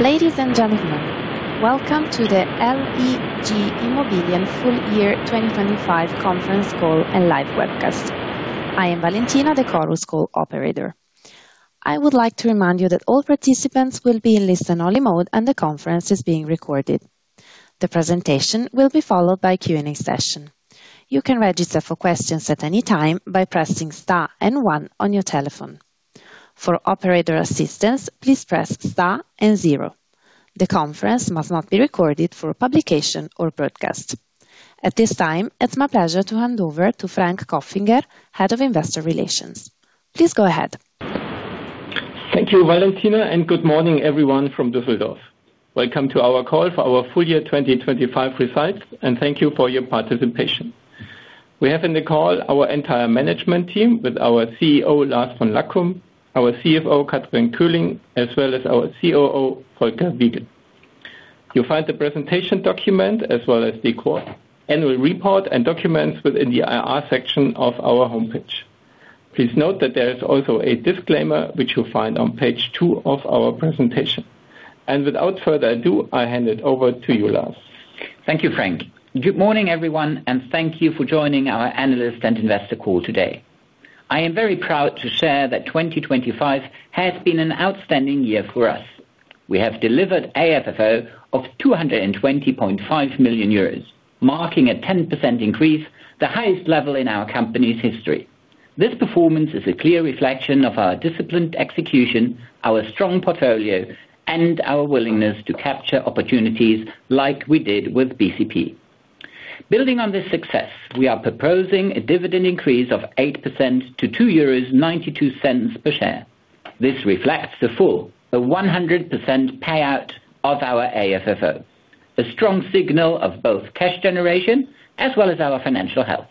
Ladies and gentlemen, welcome to the LEG Immobilien full year 2025 conference call and live webcast. I am Valentina, the Chorus Call operator. I would like to remind you that all participants will be in listen-only mode and the conference is being recorded. The presentation will be followed by a Q&A session. You can register for questions at any time by pressing star and one on your telephone. For operator assistance, please press star and zero. The conference must not be recorded for publication or broadcast. At this time, it's my pleasure to hand over to Frank Kopfinger, Head of Investor Relations. Please go ahead. Thank you, Valentina. Good morning everyone from Düsseldorf. Welcome to our call for our full year 2025 results, and thank you for your participation. We have in the call our entire management team with our CEO, Lars von Lackum; our CFO, Kathrin Köhling; as well as our COO, Volker Wiegel. You'll find the presentation document as well as the quarter annual report and documents within the IR section of our homepage. Please note that there is also a disclaimer, which you'll find on page two of our presentation. Without further ado, I hand it over to you, Lars. Thank you, Frank. Good morning, everyone, thank you for joining our analyst and investor call today. I am very proud to share that 2025 has been an outstanding year for us. We have delivered AFFO of 220.5 million euros, marking a 10% increase, the highest level in our company's history. This performance is a clear reflection of our disciplined execution, our strong portfolio, and our willingness to capture opportunities like we did with BCP. Building on this success, we are proposing a dividend increase of 8% to 2.92 euros per share. This reflects the full, the 100% payout of our AFFO. A strong signal of both cash generation as well as our financial health.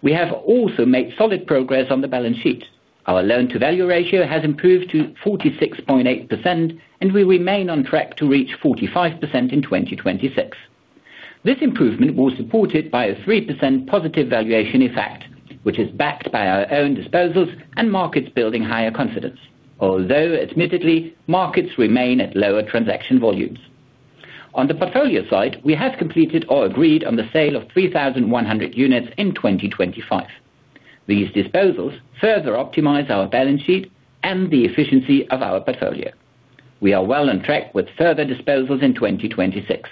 We have also made solid progress on the balance sheet. Our loan to value ratio has improved to 46.8%, and we remain on track to reach 45% in 2026. This improvement was supported by a 3% positive valuation effect, which is backed by our own disposals and markets building higher confidence. Although admittedly, markets remain at lower transaction volumes. On the portfolio side, we have completed or agreed on the sale of 3,100 units in 2025. These disposals further optimize our balance sheet and the efficiency of our portfolio. We are well on track with further disposals in 2026.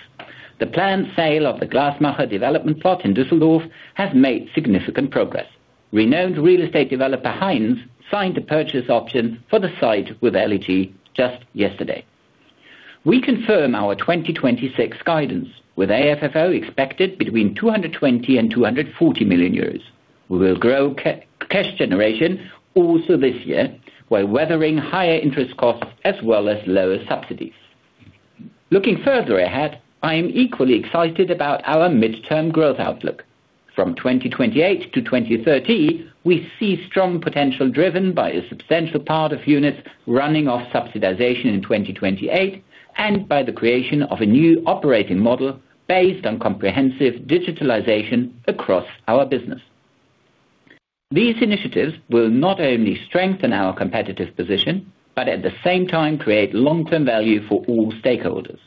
The planned sale of the Glasmacher development plot in Düsseldorf has made significant progress. Renowned real estate developer Hines signed a purchase option for the site with LEG just yesterday. We confirm our 2026 guidance, with AFFO expected between 220 million and 240 million euros. We will grow cash generation also this year while weathering higher interest costs as well as lower subsidies. Looking further ahead, I am equally excited about our midterm growth outlook. From 2028 to 2030, we see strong potential driven by a substantial part of units running off subsidization in 2028, and by the creation of a new operating model based on comprehensive digitalization across our business. These initiatives will not only strengthen our competitive position, but at the same time, create long-term value for all stakeholders.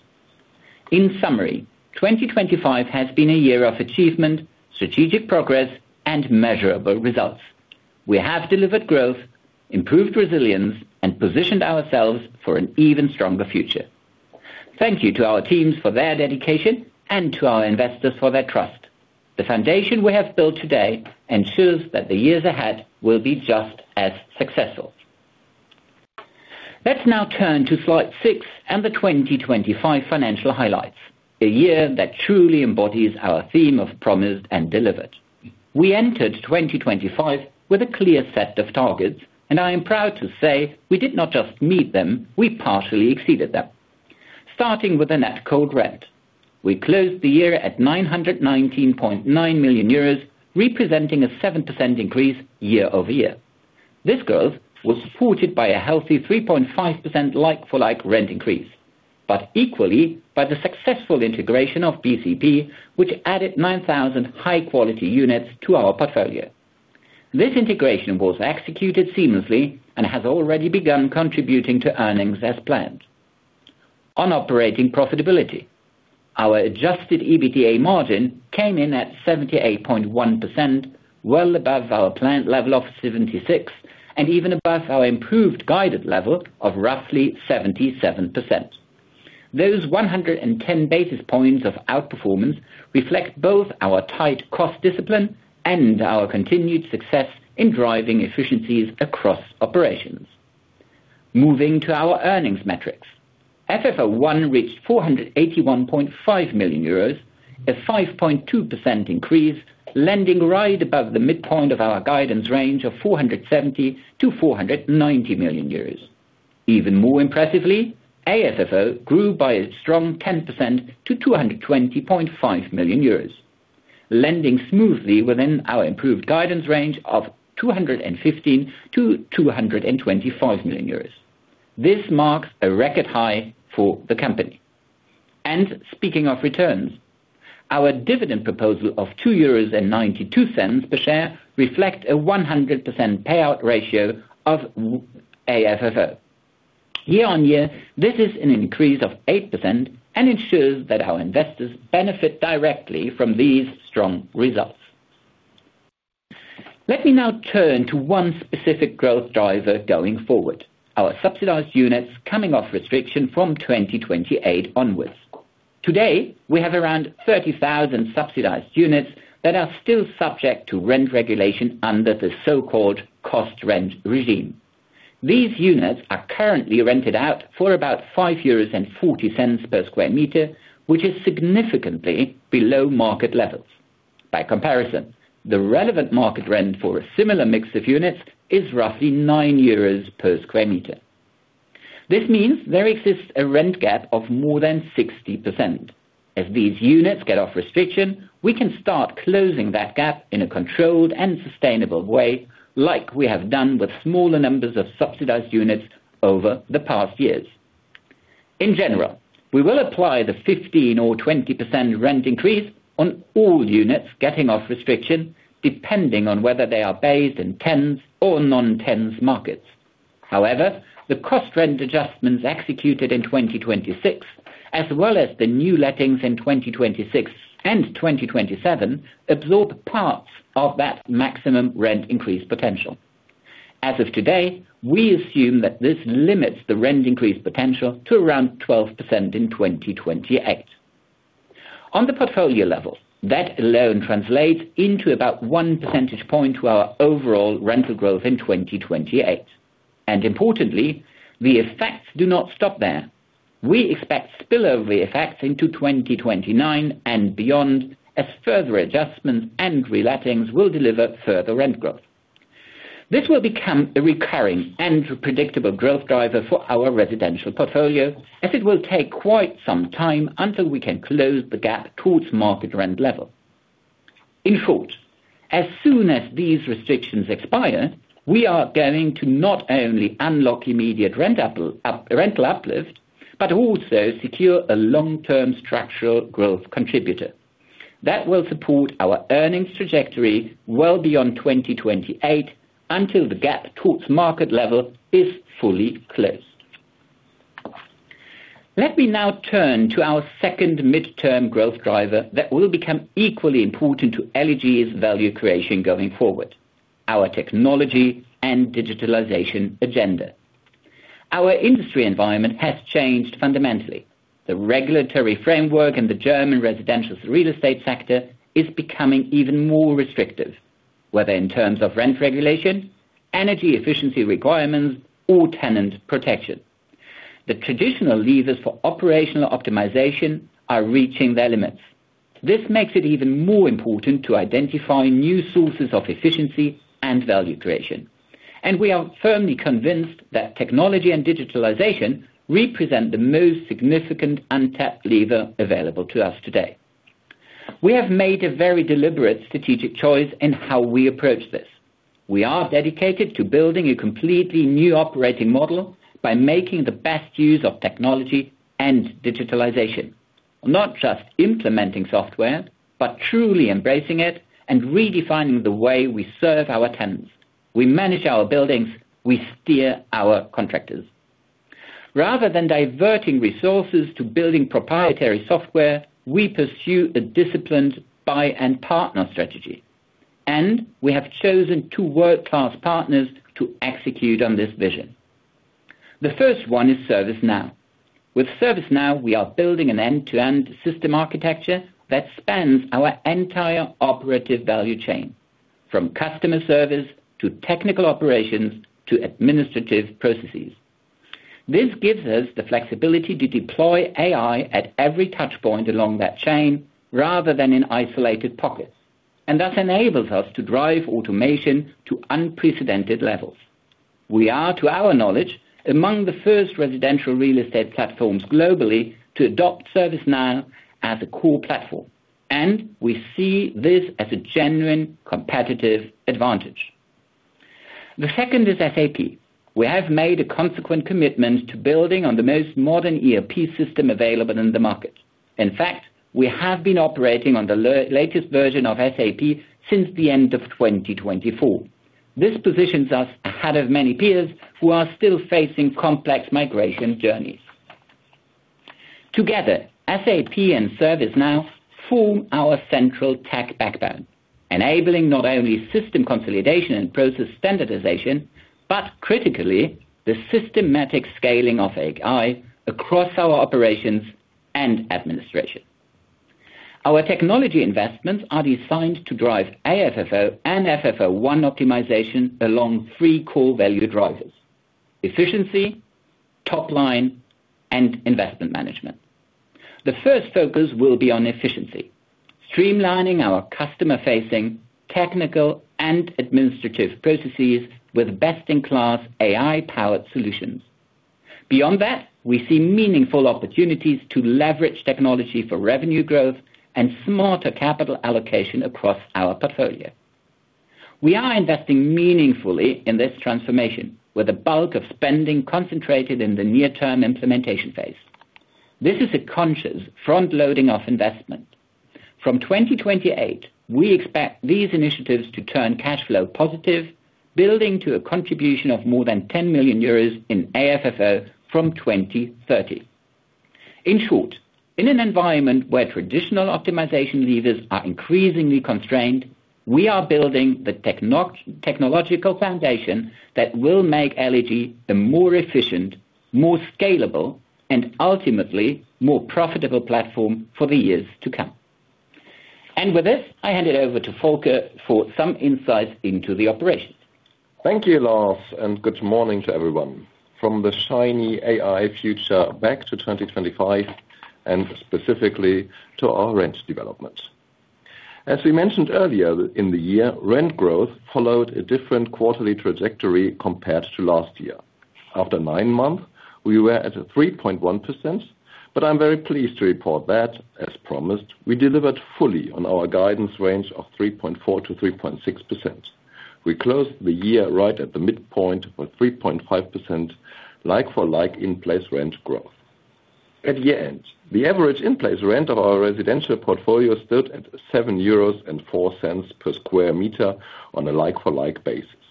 In summary, 2025 has been a year of achievement, strategic progress, and measurable results. We have delivered growth, improved resilience, and positioned ourselves for an even stronger future. Thank you to our teams for their dedication and to our investors for their trust. The foundation we have built today ensures that the years ahead will be just as successful. Let's now turn to slide six and the 2025 financial highlights, a year that truly embodies our theme of promised and delivered. We entered 2025 with a clear set of targets. I am proud to say we did not just meet them, we partially exceeded them. Starting with the net cold rent. We closed the year at 919.9 million euros, representing a 7% increase year-over-year. This growth was supported by a healthy 3.5% like-for-like rent increase, equally by the successful integration of BCP, which added 9,000 high quality units to our portfolio. This integration was executed seamlessly and has already begun contributing to earnings as planned. On operating profitability, our Adjusted EBITDA margin came in at 78.1%, well above our planned level of 76, and even above our improved guided level of roughly 77%. Those 110 basis points of outperformance reflect both our tight cost discipline and our continued success in driving efficiencies across operations. Moving to our earnings metrics. FFO I reached 481.5 million euros, a 5.2% increase, landing right above the midpoint of our guidance range of 470 million-490 million. Even more impressively, AFFO grew by a strong 10% to 220.5 million euros, landing smoothly within our improved guidance range of 215 million-225 million euros. This marks a record high for the company. Speaking of returns, our dividend proposal of 2.92 euros per share reflect a 100% payout ratio of AFFO. Year-over-year, this is an increase of 8% and ensures that our investors benefit directly from these strong results. Let me now turn to one specific growth driver going forward, our subsidized units coming off restriction from 2028 onwards. Today, we have around 30,000 subsidized units that are still subject to rent regulation under the so-called cost rent regime. These units are currently rented out for about 5.40 euros per square meter, which is significantly below market levels. By comparison, the relevant market rent for a similar mix of units is roughly €9 per square meter. This means there exists a rent gap of more than 60%. As these units get off restriction, we can start closing that gap in a controlled and sustainable way, like we have done with smaller numbers of subsidized units over the past years. In general, we will apply the 15% or 20% rent increase on all units getting off restriction, depending on whether they are based in tens or non-tens markets. However, the cost rent adjustments executed in 2026, as well as the new lettings in 2026 and 2027, absorb parts of that maximum rent increase potential. As of today, we assume that this limits the rent increase potential to around 12% in 2028. On the portfolio level, that alone translates into about 1 percentage point to our overall rental growth in 2028. Importantly, the effects do not stop there. We expect spillover effects into 2029 and beyond as further adjustments and relettings will deliver further rent growth. This will become a recurring and predictable growth driver for our residential portfolio, as it will take quite some time until we can close the gap towards market rent level. In short, as soon as these restrictions expire, we are going to not only unlock immediate rental uplift, but also secure a long-term structural growth contributor that will support our earnings trajectory well beyond 2028 until the gap towards market level is fully closed. Let me now turn to our second midterm growth driver that will become equally important to LEG's value creation going forward, our technology and digitalization agenda. Our industry environment has changed fundamentally. The regulatory framework in the German residential real estate sector is becoming even more restrictive, whether in terms of rent regulation, energy efficiency requirements or tenant protection. The traditional levers for operational optimization are reaching their limits. This makes it even more important to identify new sources of efficiency and value creation. We are firmly convinced that technology and digitalization represent the most significant untapped lever available to us today. We have made a very deliberate strategic choice in how we approach this. We are dedicated to building a completely new operating model by making the best use of technology and digitalization. Not just implementing software, but truly embracing it and redefining the way we serve our tenants. We manage our buildings, we steer our contractors. Rather than diverting resources to building proprietary software, we pursue a disciplined buy and partner strategy. We have chosen two world-class partners to execute on this vision. The first one is ServiceNow. With ServiceNow, we are building an end-to-end system architecture that spans our entire operative value chain, from customer service to technical operations to administrative processes. This gives us the flexibility to deploy AI at every touch point along that chain rather than in isolated pockets, and thus enables us to drive automation to unprecedented levels. We are, to our knowledge, among the first residential real estate platforms globally to adopt ServiceNow as a core platform. We see this as a genuine competitive advantage. The second is SAP. We have made a consequent commitment to building on the most modern ERP system available in the market. In fact, we have been operating on the latest version of SAP since the end of 2024. This positions us ahead of many peers who are still facing complex migration journeys. Together, SAP and ServiceNow form our central tech backbone, enabling not only system consolidation and process standardization, but critically, the systematic scaling of AI across our operations and administration. Our technology investments are designed to drive AFFO and FFO I optimization along three core value drivers: efficiency, top line, and investment management. The first focus will be on efficiency, streamlining our customer-facing technical and administrative processes with best-in-class AI-powered solutions. Beyond that, we see meaningful opportunities to leverage technology for revenue growth and smarter capital allocation across our portfolio. We are investing meaningfully in this transformation with a bulk of spending concentrated in the near term implementation phase. This is a conscious front-loading of investment. From 2028, we expect these initiatives to turn cash flow positive, building to a contribution of more than 10 million euros in AFFO from 2030. In short, in an environment where traditional optimization levers are increasingly constrained, we are building the technological foundation that will make LEG a more efficient, more scalable, and ultimately, more profitable platform for the years to come. With this, I hand it over to Volker for some insights into the operation. Thank you, Lars. Good morning to everyone. From the shiny AI future back to 2025, specifically to our rent developments. As we mentioned earlier in the year, rent growth followed a different quarterly trajectory compared to last year. After nine months, we were at a 3.1%. I'm very pleased to report that, as promised, we delivered fully on our guidance range of 3.4%-3.6%. We closed the year right at the midpoint with 3.5% like-for-like in-place rent growth. At the end, the average in-place rent of our residential portfolio stood at 7.04 euros per square meter on a like-for-like basis.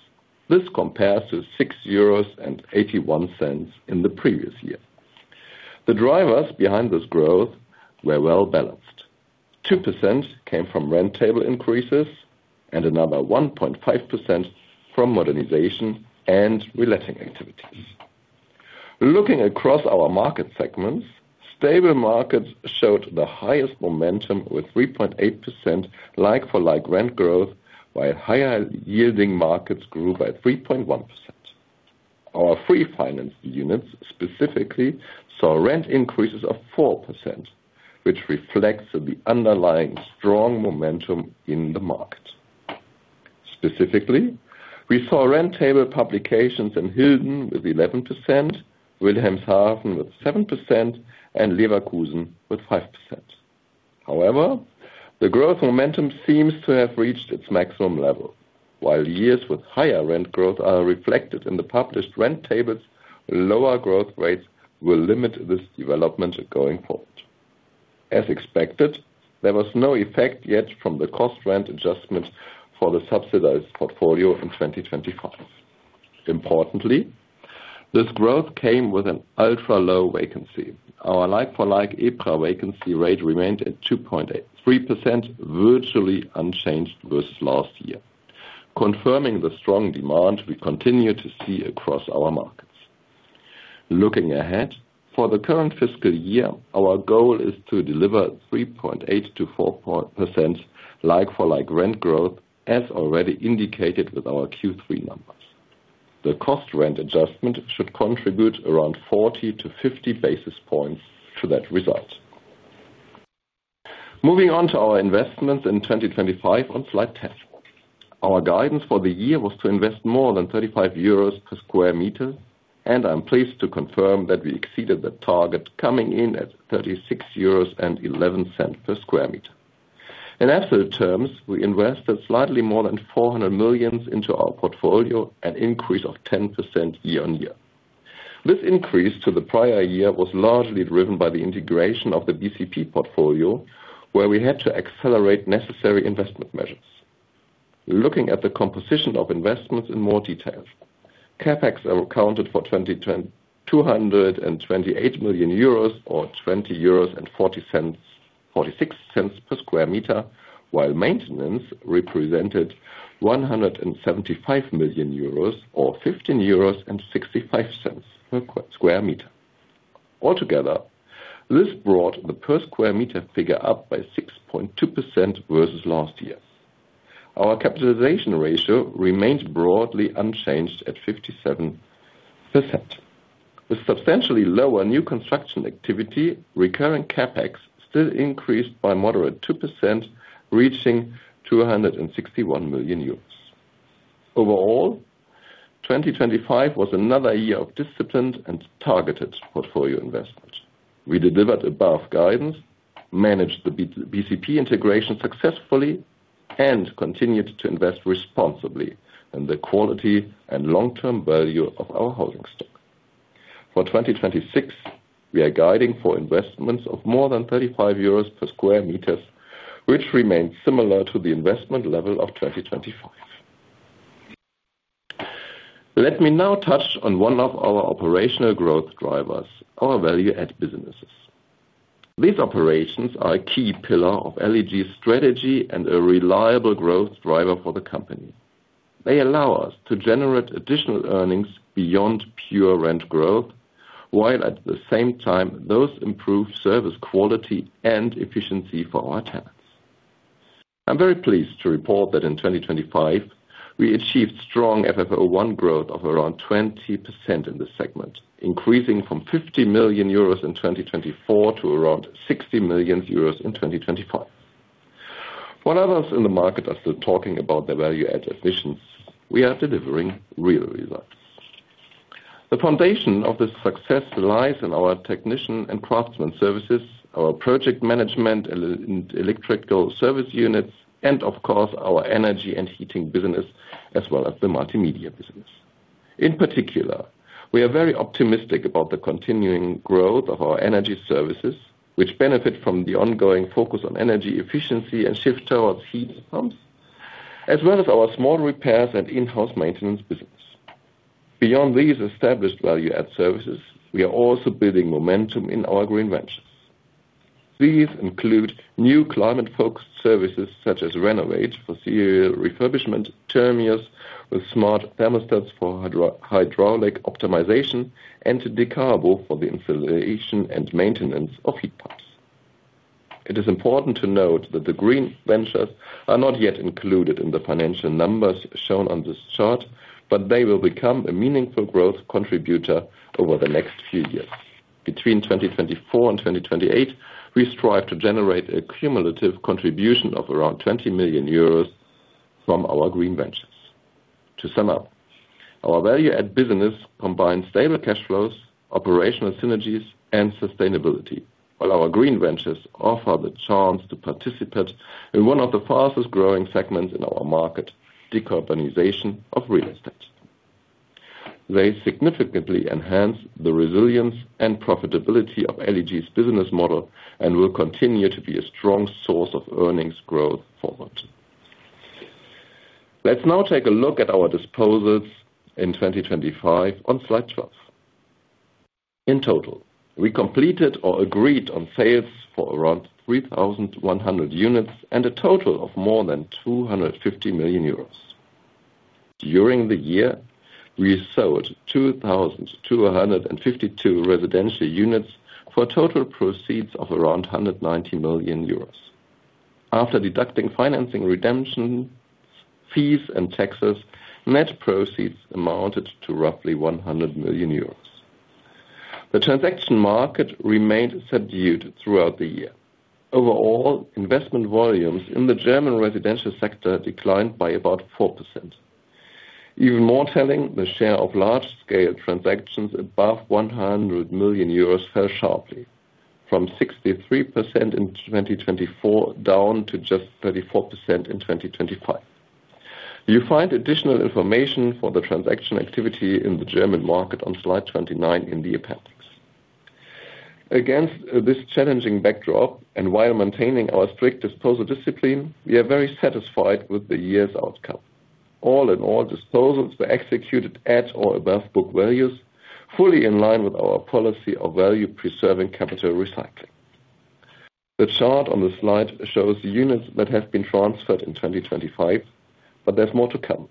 This compares to 6.81 euros in the previous year. The drivers behind this growth were well balanced. 2% came from rent table increases and another 1.5% from modernization and reletting activities. Looking across our market segments, stable markets showed the highest momentum with 3.8% like-for-like rent growth, while higher yielding markets grew by 3.1%. Our free finance units specifically saw rent increases of 4%, which reflects the underlying strong momentum in the market. Specifically, we saw rent table publications in Hilden with 11%, Wilhelmshaven with 7%, and Leverkusen with 5%. However, the growth momentum seems to have reached its maximum level. While years with higher rent growth are reflected in the published rent tables, lower growth rates will limit this development going forward. As expected, there was no effect yet from the cost rent adjustment for the subsidized portfolio in 2025. Importantly, this growth came with an ultra-low vacancy. Our like-for-like EPRA vacancy rate remained at 2.83%, virtually unchanged versus last year. Confirming the strong demand we continue to see across our markets. Looking ahead, for the current fiscal year, our goal is to deliver 3.8%-4.0% like-for-like rent growth, as already indicated with our Q3 numbers. The cost rent adjustment should contribute around 40-50 basis points to that result. Moving on to our investments in 2025 on slide 10. Our guidance for the year was to invest more than 35 euros per square meter, and I'm pleased to confirm that we exceeded the target coming in at 36.11 euros per square meter. In absolute terms, we invested slightly more than 400 million into our portfolio, an increase of 10% year-on-year. This increase to the prior year was largely driven by the integration of the BCP portfolio, where we had to accelerate necessary investment measures. Looking at the composition of investments in more detail. CapEx accounted for 228 million euros, or 20.46 euros per square meter, while maintenance represented 175 million euros or 15.65 euros per square meter. Altogether, this brought the per square meter figure up by 6.2% versus last year. Our capitalization ratio remains broadly unchanged at 57%. With substantially lower new construction activity, recurring CapEx still increased by moderate 2%, reaching 261 million euros. Overall, 2025 was another year of disciplined and targeted portfolio investment. We delivered above guidance, managed the BCP integration successfully, and continued to invest responsibly in the quality and long-term value of our holding stock. For 2026, we are guiding for investments of more than 35 euros per square meters, which remains similar to the investment level of 2025. Let me now touch on one of our operational growth drivers, our value-add businesses. These operations are a key pillar of LEG's strategy and a reliable growth driver for the company. They allow us to generate additional earnings beyond pure rent growth, while at the same time, those improve service quality and efficiency for our tenants. I'm very pleased to report that in 2025, we achieved strong FFO I growth of around 20% in this segment, increasing from 50 million euros in 2024 to around 60 million euros in 2025. While others in the market are still talking about their value add ambitions, we are delivering real results. The foundation of this success lies in our technician and craftsman services, our project management and electrical service units, and of course our energy and heating business, as well as the multimedia business. In particular, we are very optimistic about the continuing growth of our energy services, which benefit from the ongoing focus on energy efficiency and shift towards heat pumps, as well as our small repairs and in-house maintenance business. Beyond these established value add services, we are also building momentum in our green ventures. These include new climate-focused services such as RENOWATE for serial refurbishment, termios with smart thermostats for hydraulic optimization, and dekarbo for the installation and maintenance of heat pumps. It is important to note that the green ventures are not yet included in the financial numbers shown on this chart, but they will become a meaningful growth contributor over the next few years. Between 2024 and 2028, we strive to generate a cumulative contribution of around 20 million euros from our green ventures. To sum up, our value add business combines stable cash flows, operational synergies, and sustainability. While our green ventures offer the chance to participate in one of the fastest-growing segments in our market, decarbonization of real estate. They significantly enhance the resilience and profitability of LEG's business model and will continue to be a strong source of earnings growth forward. Let's now take a look at our disposals in 2025 on slide 12. In total, we completed or agreed on sales for around 3,100 units and a total of more than 250 million euros. During the year, we sold 2,252 residential units for total proceeds of around 190 million euros. After deducting financing redemption fees and taxes, net proceeds amounted to roughly 100 million euros. The transaction market remained subdued throughout the year. Overall, investment volumes in the German residential sector declined by about 4%. Even more telling, the share of large-scale transactions above 100 million euros fell sharply from 63% in 2024 down to just 34% in 2025. You find additional information for the transaction activity in the German market on slide 29 in the appendix. Against this challenging backdrop, while maintaining our strict disposal discipline, we are very satisfied with the year's outcome. All in all, disposals were executed at or above book values, fully in line with our policy of value preserving capital recycling. The chart on the slide shows the units that have been transferred in 2025, but there's more to come.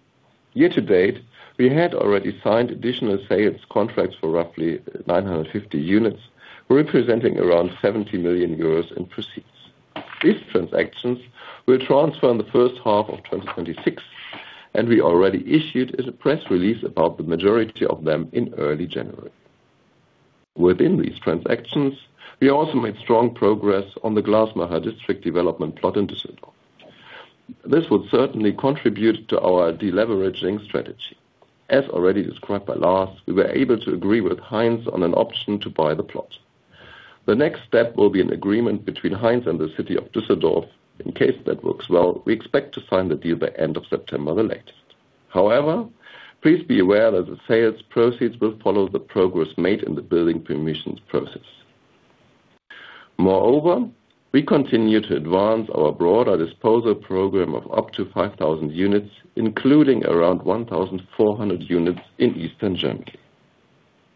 Year to date, we had already signed additional sales contracts for roughly 950 units, representing around 70 million euros in proceeds. These transactions will transfer in the first half of 2026, and we already issued as a press release about the majority of them in early January. Within these transactions, we also made strong progress on the Glasmacher district development plot in Düsseldorf. This will certainly contribute to our deleveraging strategy. As already described by Lars, we were able to agree with Hines on an option to buy the plot. The next step will be an agreement between Hines and the city of Düsseldorf. In case that works well, we expect to sign the deal by end of September the latest. Please be aware that the sales proceeds will follow the progress made in the building permissions process. We continue to advance our broader disposal program of up to 5,000 units, including around 1,400 units in Eastern Germany.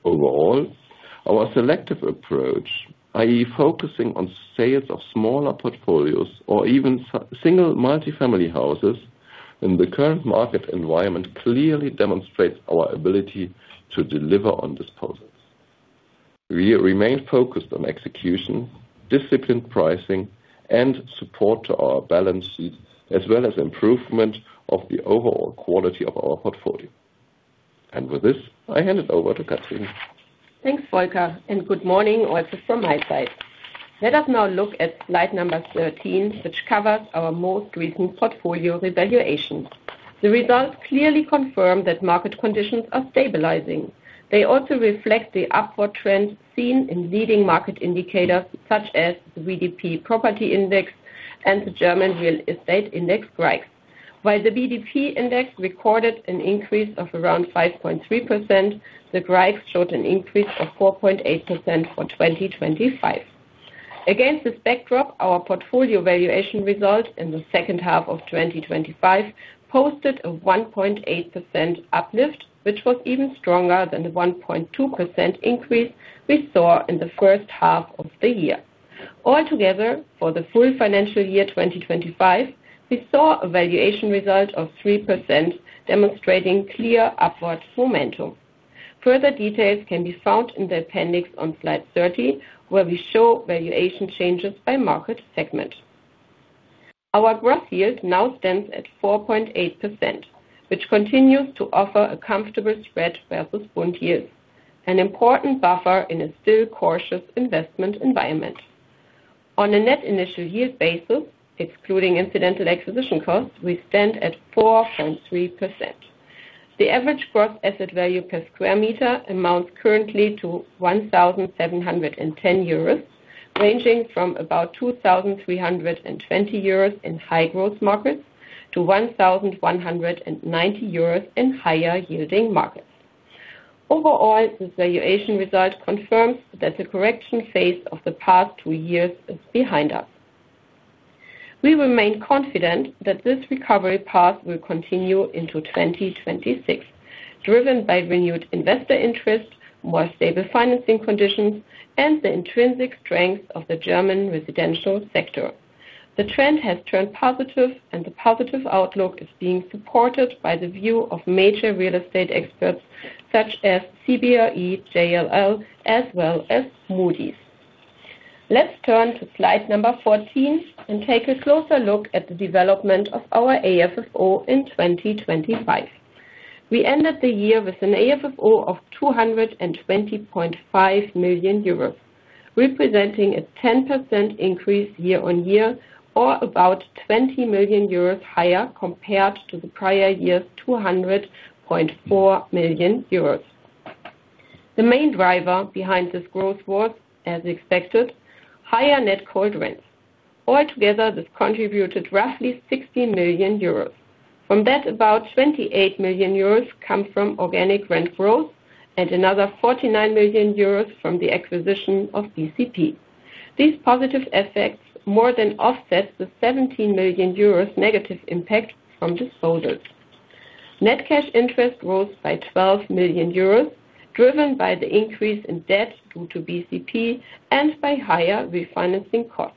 Our selective approach, i.e., focusing on sales of smaller portfolios or even single multi-family houses in the current market environment clearly demonstrates our ability to deliver on disposals. We remain focused on execution, disciplined pricing, and support to our balance sheet, as well as improvement of the overall quality of our portfolio. With this, I hand it over to Kathrin. Thanks, Volker, and good morning also from my side. Let us now look at slide number 13, which covers our most recent portfolio revaluation. The results clearly confirm that market conditions are stabilizing. They also reflect the upward trend seen in leading market indicators such as the VDP Property Index and the German Real Estate Index, REIX. While the VDP index recorded an increase of around 5.3%, the REIX showed an increase of 4.8% for 2025. Against this backdrop, our portfolio valuation result in the second half of 2025 posted a 1.8% uplift, which was even stronger than the 1.2% increase we saw in the first half of the year. Altogether, for the full financial year, 2025, we saw a valuation result of 3%, demonstrating clear upward momentum. Further details can be found in the appendix on slide 30, where we show valuation changes by market segment. Our gross yield now stands at 4.8%, which continues to offer a comfortable spread versus bond yields, an important buffer in a still cautious investment environment. On a net initial yield basis, excluding incidental acquisition costs, we stand at 4.3%. The average gross asset value per square meter amounts currently to 1,710 euros, ranging from about 2,320 euros in high growth markets to 1,190 euros in higher yielding markets. Overall, this valuation result confirms that the correction phase of the past two years is behind us. We remain confident that this recovery path will continue into 2026, driven by renewed investor interest, more stable financing conditions, and the intrinsic strength of the German residential sector. The positive outlook is being supported by the view of major real estate experts such as CBRE, JLL, as well as Moody's. Let's turn to slide number 14 and take a closer look at the development of our AFFO in 2025. We ended the year with an AFFO of 220.5 million euros, representing a 10% increase year-over-year or about 20 million euros higher compared to the prior year's 200.4 million euros. The main driver behind this growth was, as expected, higher net cold rents. Altogether, this contributed roughly 60 million euros. From that, about 28 million euros come from organic rent growth and another 49 million euros from the acquisition of BCP. These positive effects more than offset the 17 million euros negative impact from disposals. Net cash interest rose by 12 million euros, driven by the increase in debt due to BCP and by higher refinancing costs.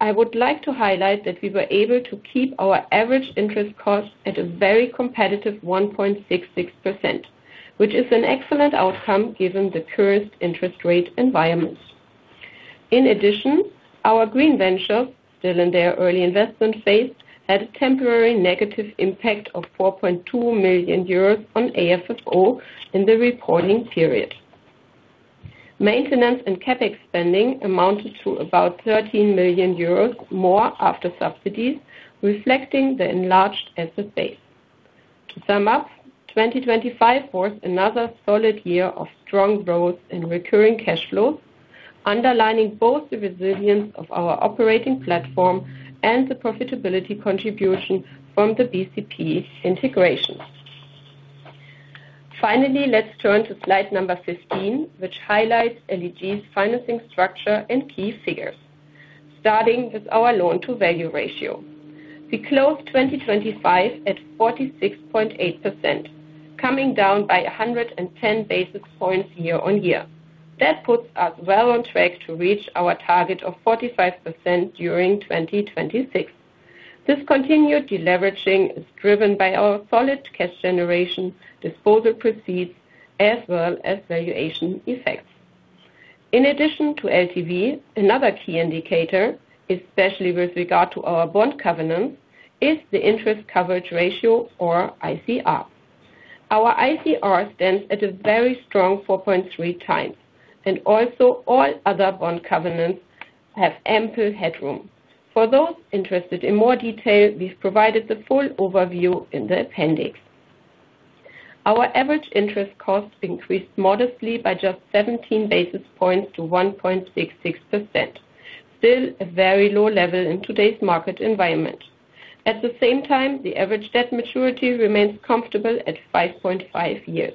I would like to highlight that we were able to keep our average interest costs at a very competitive 1.66%, which is an excellent outcome given the current interest rate environment. Our green venture, still in their early investment phase, had a temporary negative impact of 4.2 million euros on AFFO in the reporting period. Maintenance and CapEx spending amounted to about 13 million euros more after subsidies, reflecting the enlarged asset base. To sum up, 2025 was another solid year of strong growth in recurring cash flows, underlining both the resilience of our operating platform and the profitability contribution from the BCP integration. Finally, let's turn to slide number 15, which highlights LEG's financing structure and key figures. Starting with our loan to value ratio. We closed 2025 at 46.8%, coming down by 110 basis points year-on-year. That puts us well on track to reach our target of 45% during 2026. This continued deleveraging is driven by our solid cash generation disposal proceeds as well as valuation effects. In addition to LTV, another key indicator, especially with regard to our bond covenants, is the interest coverage ratio or ICR. Our ICR stands at a very strong 4.3x, and also all other bond covenants have ample headroom. For those interested in more detail, we've provided the full overview in the appendix. Our average interest costs increased modestly by just 17 basis points to 1.66%. Still a very low level in today's market environment. At the same time, the average debt maturity remains comfortable at 5.5 years.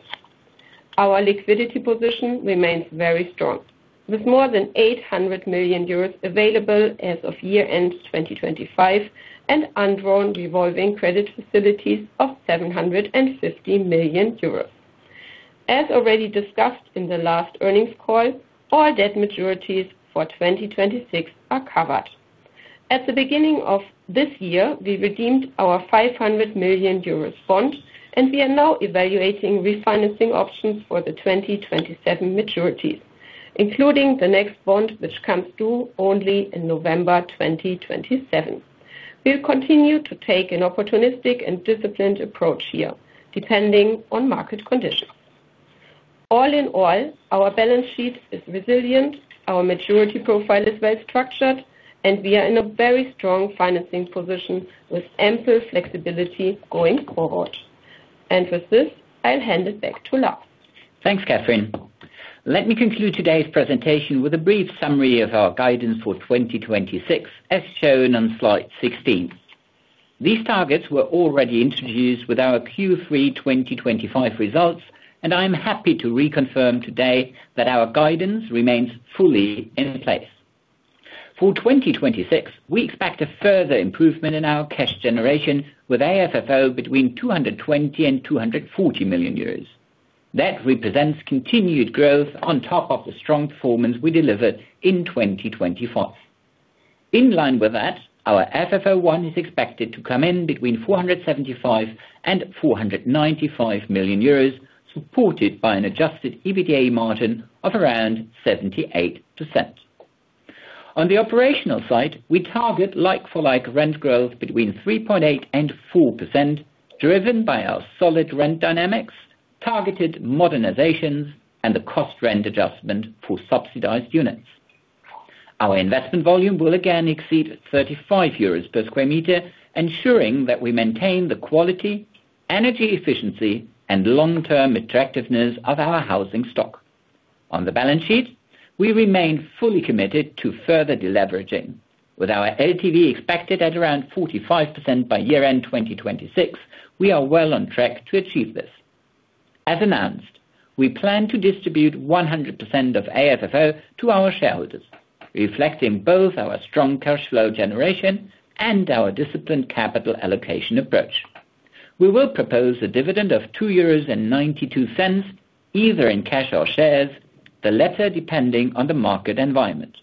Our liquidity position remains very strong, with more than 800 million euros available as of year-end 2025, and undrawn revolving credit facilities of 750 million euros. As already discussed in the last earnings call, all debt maturities for 2026 are covered. At the beginning of this year, we redeemed our 500 million euros bond, and we are now evaluating refinancing options for the 2027 maturities, including the next bond, which comes due only in November 2027. We'll continue to take an opportunistic and disciplined approach here depending on market conditions. All in all, our balance sheet is resilient, our maturity profile is well structured, and we are in a very strong financing position with ample flexibility going forward. With this, I'll hand it back to Lars. Thanks, Kathrin. Let me conclude today's presentation with a brief summary of our guidance for 2026, as shown on slide 16. These targets were already introduced with our Q3 2025 results, I'm happy to reconfirm today that our guidance remains fully in place. For 2026, we expect a further improvement in our cash generation with AFFO between 220 million and 240 million. That represents continued growth on top of the strong performance we delivered in 2025. In line with that, our FFO I is expected to come in between 475 million and 495 million euros, supported by an Adjusted EBITDA margin of around 78%. On the operational side, we target like-for-like rent growth between 3.8% and 4%, driven by our solid rent dynamics, targeted modernizations, and the cost rent adjustment for subsidized units. Our investment volume will again exceed 35 euros per square meter, ensuring that we maintain the quality, energy efficiency, and long-term attractiveness of our housing stock. On the balance sheet, we remain fully committed to further deleveraging. With our LTV expected at around 45% by year-end 2026, we are well on track to achieve this. As announced, we plan to distribute 100% of AFFO to our shareholders, reflecting both our strong cash flow generation and our disciplined capital allocation approach. We will propose a dividend of 2.92 euros either in cash or shares, the latter depending on the market environment.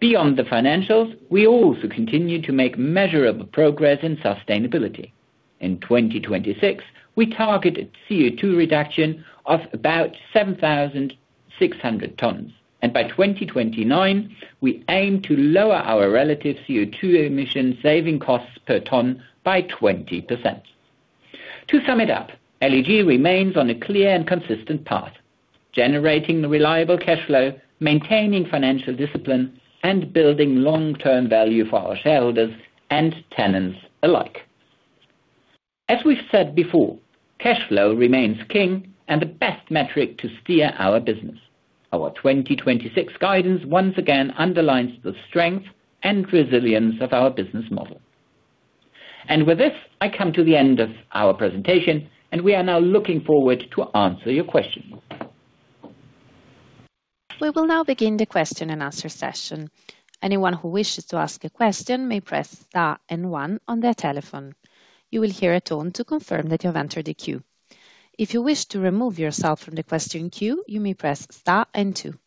Beyond the financials, we also continue to make measurable progress in sustainability. In 2026, we targeted CO₂ reduction of about 7,600 tons, and by 2029, we aim to lower our relative CO₂ emission saving costs per ton by 20%. To sum it up, LEG remains on a clear and consistent path, generating the reliable cash flow, maintaining financial discipline, and building long-term value for our shareholders and tenants alike. As we've said before, cash flow remains king and the best metric to steer our business. Our 2026 guidance once again underlines the strength and resilience of our business model. With this, I come to the end of our presentation, and we are now looking forward to answer your questions. We will now begin the question and answer session. Anyone who wishes to ask a question may press star one on their telephone. You will hear a tone to confirm that you have entered the queue. If you wish to remove yourself from the question queue, you may press star two.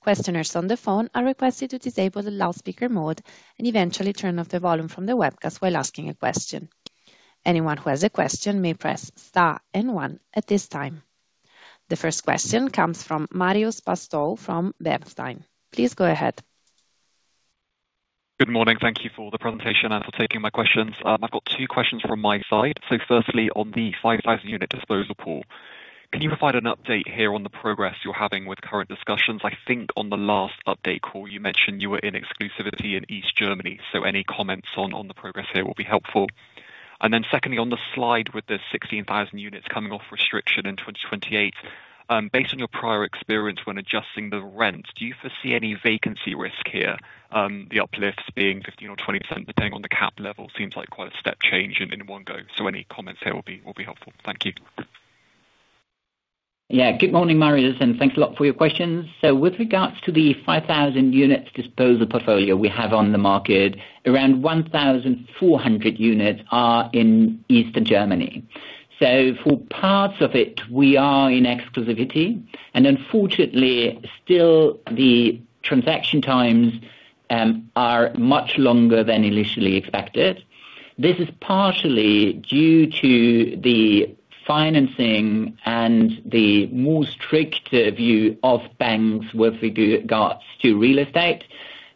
Questioners on the phone are requested to disable the loudspeaker mode and eventually turn off the volume from the webcast while asking a question. Anyone who has a question may press star one at this time. The first question comes from Marios Pastou from Bernstein. Please go ahead. Good morning. Thank you for the presentation and for taking my questions. I've got two questions from my side. Firstly, on the 5,000 unit disposal pool, can you provide an update here on the progress you're having with current discussions? I think on the last update call you mentioned you were in exclusivity in East Germany, so any comments on the progress here will be helpful. Secondly, on the slide with the 16,000 units coming off restriction in 2028, based on your prior experience when adjusting the rent, do you foresee any vacancy risk here? The uplifts being 15% or 20% depending on the cap level seems like quite a step change in one go. Any comments here will be helpful. Thank you. Good morning, Marios, and thanks a lot for your questions. With regards to the 5,000 units disposal portfolio we have on the market, around 1,400 units are in Eastern Germany. For parts of it, we are in exclusivity and unfortunately still the transaction times are much longer than initially expected. This is partially due to the financing and the more stricter view of banks with regards to real estate.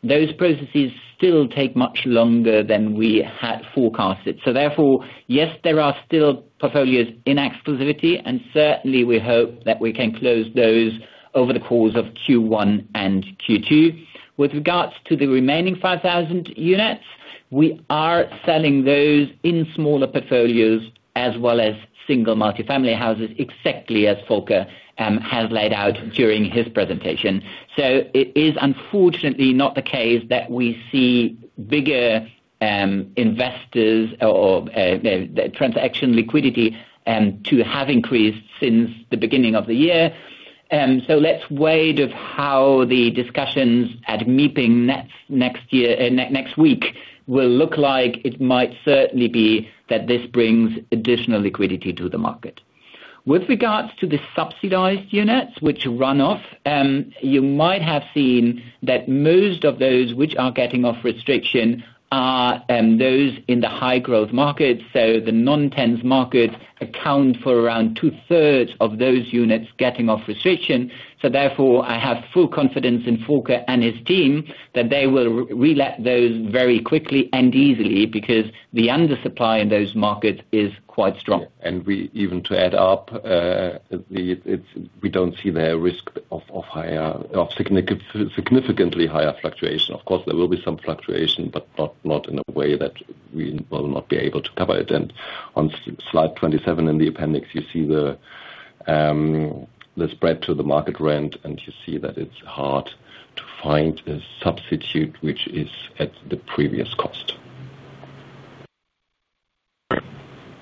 Those processes still take much longer than we had forecasted. Therefore, yes, there are still portfolios in exclusivity, and certainly we hope that we can close those over the course of Q1 and Q2. With regards to the remaining 5,000 units, we are selling those in smaller portfolios as well as single multi-family houses, exactly as Volker has laid out during his presentation. It is unfortunately not the case that we see bigger investors or the transaction liquidity to have increased since the beginning of the year. Let's wait of how the discussions at MIPIM next week will look like. It might certainly be that this brings additional liquidity to the market. With regards to the subsidized units which run off, you might have seen that most of those which are getting off restriction are those in the high growth markets. The non-tenants market account for around two-thirds of those units getting off restriction. Therefore, I have full confidence in Volker and his team that they will relet those very quickly and easily because the undersupply in those markets is quite strong. We even to add up, we don't see the risk of higher or significantly higher fluctuation. Of course, there will be some fluctuation, but not in a way that we will not be able to cover it. On slide 27 in the appendix, you see the spread to the market rent, and you see that it's hard to find a substitute which is at the previous cost.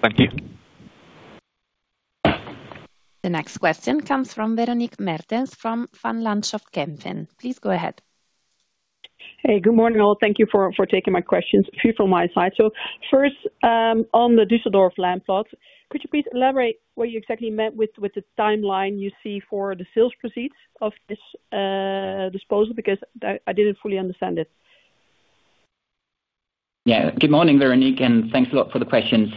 Thank you. The next question comes from Véronique Meertens from Van Lanschot Kempen. Please go ahead. Hey, good morning, all. Thank you for taking my questions. A few from my side. First, on the Düsseldorf land plot, could you please elaborate what you exactly meant with the timeline you see for the sales proceeds of this disposal? Because I didn't fully understand it. Yeah. Good morning, Véronique, and thanks a lot for the question.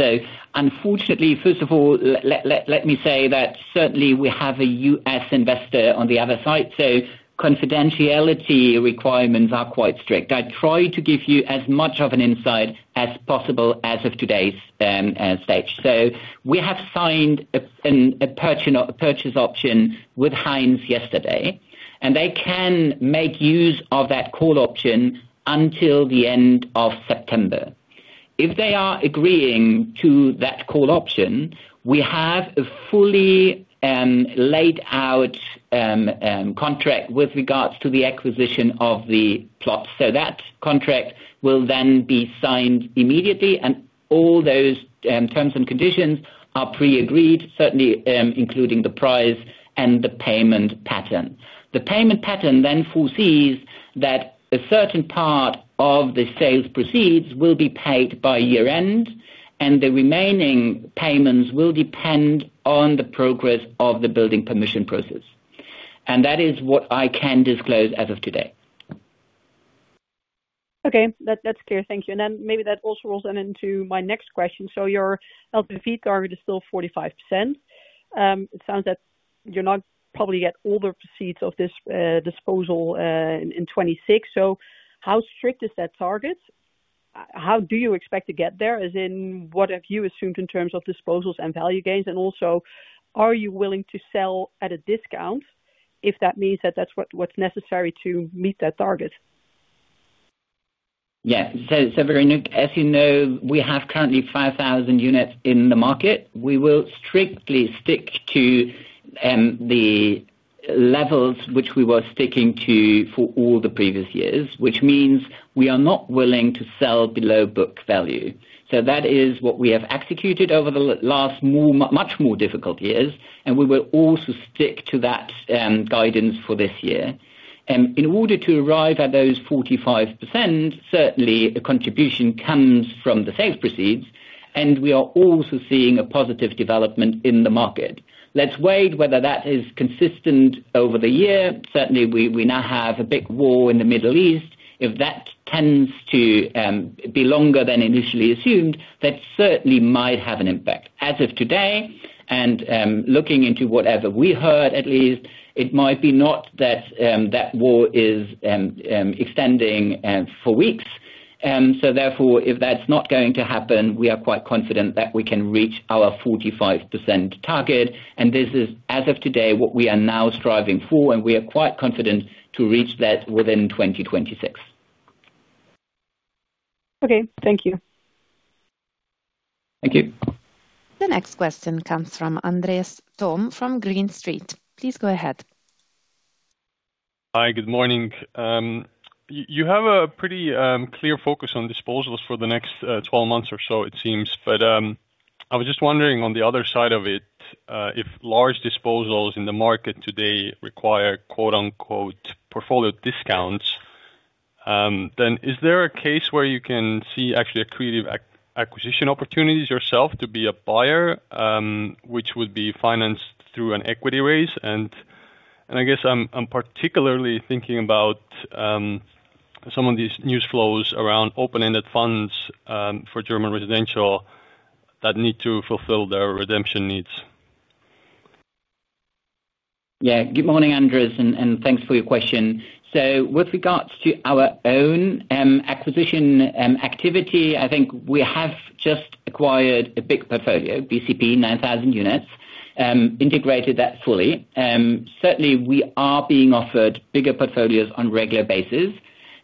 Unfortunately, first of all, let me say that certainly we have a U.S. investor on the other side, so confidentiality requirements are quite strict. I try to give you as much of an insight as possible as of today's stage. We have signed a purchase option with Hines yesterday, and they can make use of that call option until the end of September. If they are agreeing to that call option, we have a fully laid out contract with regards to the acquisition of the plots. That contract will then be signed immediately and all those terms and conditions are pre-agreed, certainly, including the price and the payment pattern. The payment pattern then foresees that a certain part of the sales proceeds will be paid by year-end, and the remaining payments will depend on the progress of the building permission process. That is what I can disclose as of today. That's clear. Thank you. Maybe that also rolls on into my next question. Your LP feed target is still 45%. It sounds like you're not probably at all the proceeds of this disposal in 2026. How strict is that target? How do you expect to get there? As in, what have you assumed in terms of disposals and value gains? Also, are you willing to sell at a discount if that means that that's what's necessary to meet that target? Yeah. Véronique, as you know, we have currently 5,000 units in the market. We will strictly stick to the levels which we were sticking to for all the previous years, which means we are not willing to sell below book value. That is what we have executed over the last more, much more difficult years, and we will also stick to that guidance for this year. In order to arrive at those 45%, certainly a contribution comes from the sales proceeds, and we are also seeing a positive development in the market. Let's wait whether that is consistent over the year. Certainly, we now have a big war in the Middle East. If that tends to be longer than initially assumed, that certainly might have an impact. As of today, and looking into whatever we heard, at least, it might be not that war is extending for weeks. Therefore, if that's not going to happen, we are quite confident that we can reach our 45% target. This is, as of today, what we are now striving for, and we are quite confident to reach that within 2026. Okay. Thank you. Thank you. The next question comes from Andres Toome from Green Street. Please go ahead. Hi. Good morning. You have a pretty clear focus on disposals for the next 12 months or so, it seems. I was just wondering on the other side of it, if large disposals in the market today require quote-unquote, "portfolio discounts," then is there a case where you can see actually accretive acquisition opportunities yourself to be a buyer, which would be financed through an equity raise? I guess I'm particularly thinking about, some of these news flows around open-ended funds, for German residential that need to fulfill their redemption needs. Good morning, Andres, and thanks for your question. With regards to our own acquisition activity, I think we have just acquired a big portfolio, BCP, 9,000 units, integrated that fully. Certainly we are being offered bigger portfolios on regular basis.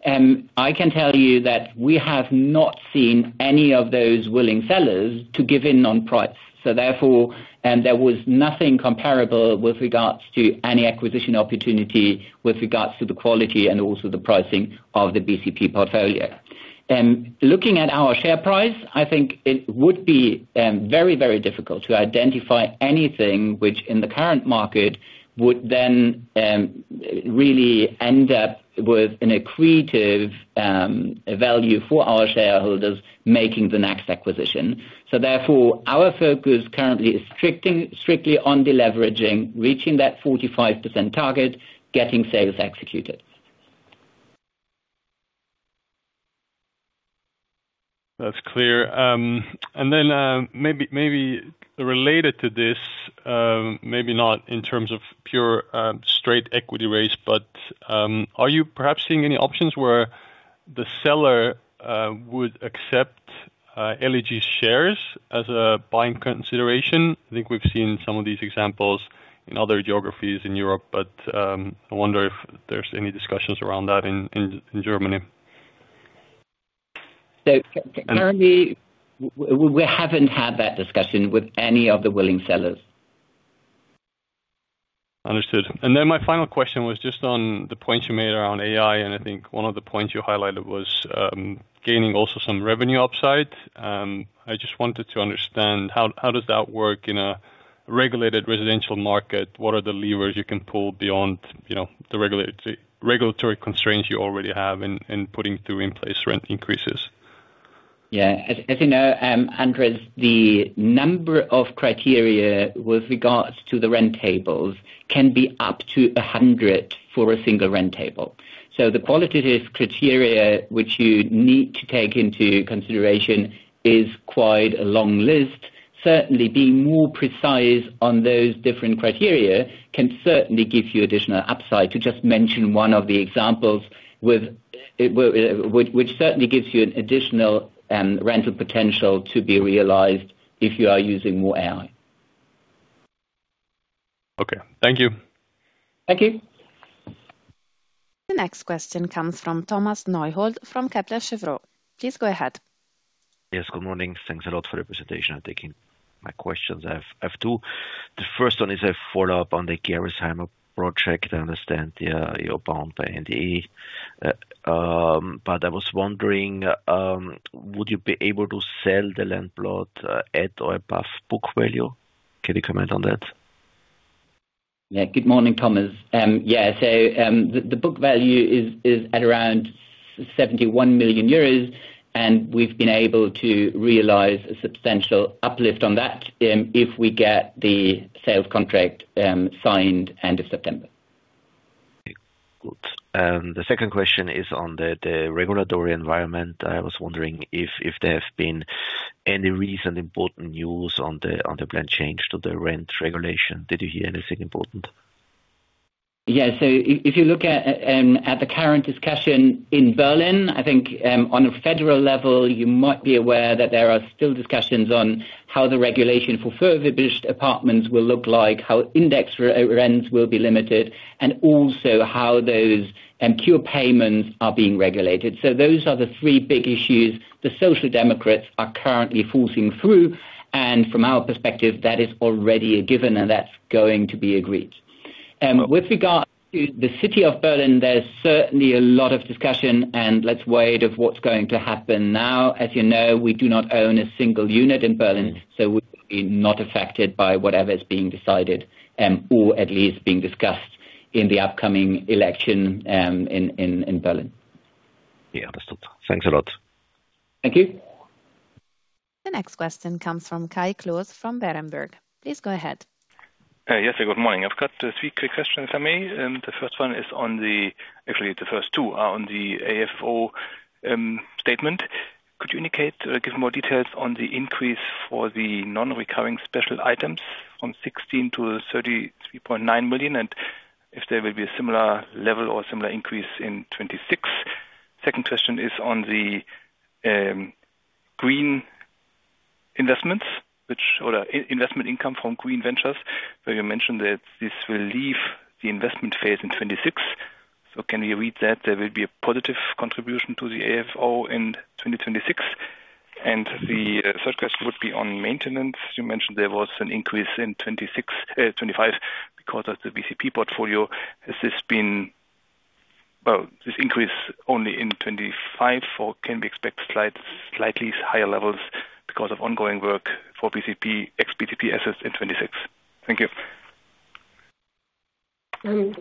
I can tell you that we have not seen any of those willing sellers to give in on price. Therefore, there was nothing comparable with regards to any acquisition opportunity with regards to the quality and also the pricing of the BCP portfolio. Looking at our share price, I think it would be very, very difficult to identify anything which in the current market would then really end up with an accretive value for our shareholders making the next acquisition. Therefore, our focus currently is strictly on deleveraging, reaching that 45% target, getting sales executed. That's clear. Maybe related to this, maybe not in terms of pure, straight equity raise, but, are you perhaps seeing any options where the seller, would accept, LEG shares as a buying consideration? I think we've seen some of these examples in other geographies in Europe, but, I wonder if there's any discussions around that in Germany. Currently we haven't had that discussion with any of the willing sellers. Understood. Then my final question was just on the points you made around AI, and I think one of the points you highlighted was gaining also some revenue upside. I just wanted to understand how does that work in a regulated residential market? What are the levers you can pull beyond, you know, the regulatory constraints you already have in putting through in place rent increases? Yeah. As you know, Andreas, the number of criteria with regards to the rent tables can be up to 100 for a single rent table. The qualitative criteria which you need to take into consideration is quite a long list. Certainly being more precise on those different criteria can certainly give you additional upside. To just mention one of the examples which certainly gives you an additional rental potential to be realized if you are using more AI. Okay, thank you. Thank you. The next question comes from Thomas Neuhold from Kepler Cheuvreux. Please go ahead. Yes, good morning. Thanks a lot for your presentation and taking my questions. I have two. The first one is a follow-up on the Gerresheimer project. I understand you're bound by NDA, but I was wondering, would you be able to sell the land plot at or above book value? Can you comment on that? Good morning, Thomas. The book value is at around 71 million euros, and we've been able to realize a substantial uplift on that if we get the sales contract signed end of September. Good. The second question is on the regulatory environment. I was wondering if there have been any recent important news on the planned change to the rent regulation. Did you hear anything important? If you look at the current discussion in Berlin, I think on a federal level, you might be aware that there are still discussions on how the regulation for apartments will look like, how index re-rents will be limited, and also how those cure payments are being regulated. Those are the three big issues the Social Democrats are currently forcing through, and from our perspective, that is already a given, and that's going to be agreed. With regard to the city of Berlin, there's certainly a lot of discussion, and let's wait of what's going to happen now. As you know, we do not own a single unit in Berlin, so we will be not affected by whatever is being decided, or at least being discussed in the upcoming election in Berlin. Yeah. Understood. Thanks a lot. Thank you. The next question comes from Kai Klose from Berenberg. Please go ahead. Yes, good morning. I've got three quick questions for me. Actually, the first two are on the AFFO statement. Could you indicate or give more details on the increase for the non-recurring special items from 16 million-33.9 million, and if there will be a similar level or similar increase in 2026? Second question is on the green investments or investment income from green ventures, where you mentioned that this will leave the investment phase in 2026. Can we read that there will be a positive contribution to the AFFO in 2026? The third question would be on maintenance. You mentioned there was an increase in 2025 because of the BCP portfolio. Has this been. This increase only in 25 or can we expect slightly higher levels because of ongoing work for BCP, ex-BCP assets in 26? Thank you.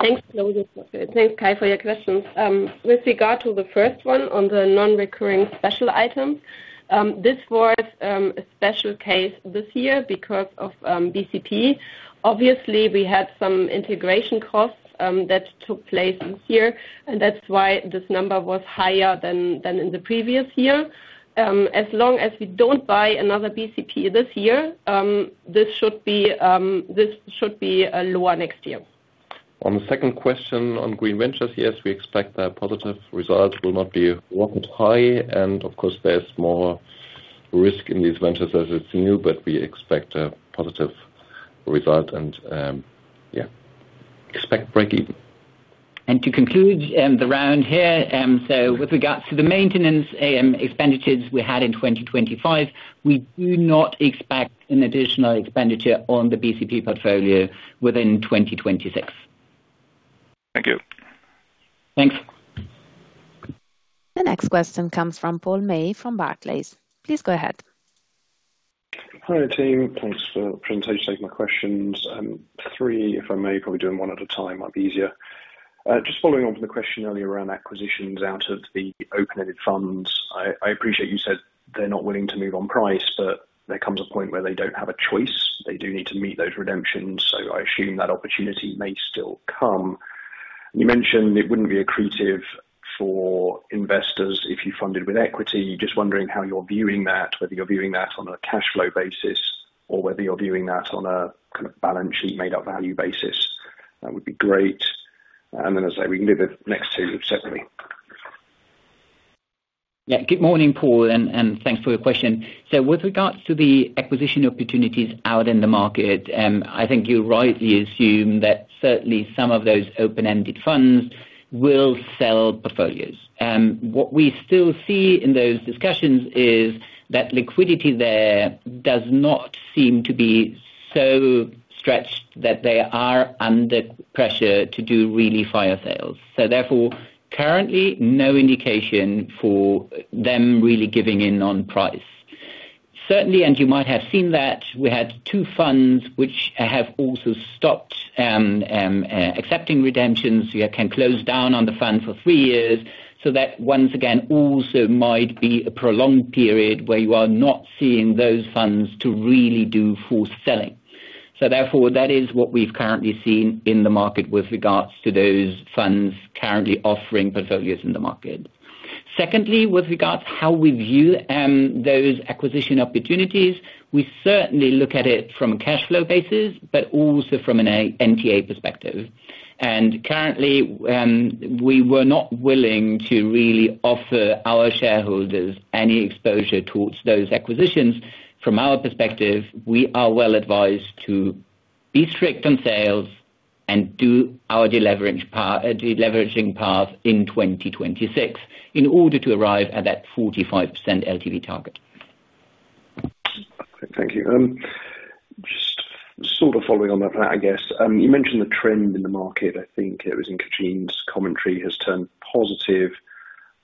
Thanks. Thanks, Kai, for your questions. With regard to the first one on the non-recurring special item, this was a special case this year because of BCP. Obviously, we had some integration costs that took place in here, and that's why this number was higher than in the previous year. As long as we don't buy another BCP this year, this should be lower next year. On the second question on green ventures, yes, we expect that positive results will not be rocket high and of course, there's more risk in these ventures as it's new, but we expect a positive result and, yeah, expect break even. To conclude, the round here, with regards to the maintenance expenditures we had in 2025, we do not expect an additional expenditure on the BCP portfolio within 2026. Thank you. Thanks. The next question comes from Paul May from Barclays. Please go ahead. Hi team. Thanks for presentation. Take my questions. Three, if I may, probably doing one at a time might be easier. Just following on from the question earlier around acquisitions out of the open-ended funds. I appreciate you said they're not willing to move on price, but there comes a point where they don't have a choice. They do need to meet those redemptions, so I assume that opportunity may still come. You mentioned it wouldn't be accretive for investors if you funded with equity. Just wondering how you're viewing that, whether you're viewing that on a cash flow basis or whether you're viewing that on a kind of balance sheet made up value basis. That would be great. Then as say, we can do the next two separately. Good morning, Paul, and thanks for your question. With regards to the acquisition opportunities out in the market, I think you rightly assume that certainly some of those open-ended funds will sell portfolios. What we still see in those discussions is that liquidity there does not seem to be so stretched that they are under pressure to do really fire sales. Therefore, currently, no indication for them really giving in on price. Certainly, and you might have seen that we had two funds which have also stopped accepting redemptions. We can close down on the fund for three years. That once again also might be a prolonged period where you are not seeing those funds to really do full selling. Therefore, that is what we've currently seen in the market with regards to those funds currently offering portfolios in the market. Secondly, with regards how we view those acquisition opportunities, we certainly look at it from a cash flow basis, but also from an NTA perspective. Currently, we were not willing to really offer our shareholders any exposure towards those acquisitions. From our perspective, we are well advised to be strict on sales and do our deleveraging path in 2026 in order to arrive at that 45% LTV target. Thank you. Just sort of following on that plan, I guess. You mentioned the trend in the market, I think it was in Kathrin's commentary, has turned positive.